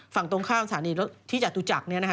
ฝั่งตรงข้างสถานีที่จัดตุจักรนี่นะคะ